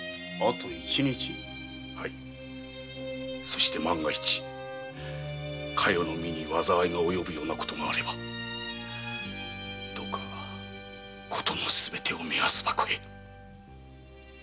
そして万が一加代の身に災いが及ぶような事があればどうか事のすべてを目安箱へ。